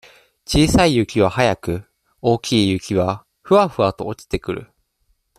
小さい雪は早く、大きい雪は、ふわふわと落ちてくる。